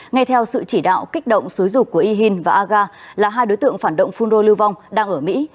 ngay theo sự chỉ đạo kích động xứ dục của y hin và aga là hai đối tượng phản động phun rô lưu vong đang ở mỹ